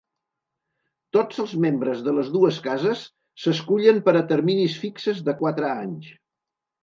Tots els membres de les dues cases s"escullen per a terminis fixes de quatre anys.